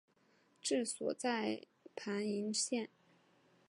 治所在汾阴县。